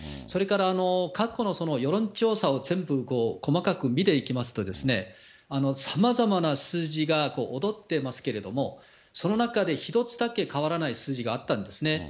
それから過去の世論調査を全部細かく見ていきますと、さまざまな数字が踊ってますけれども、その中で一つだけ変わらない数字があったんですね。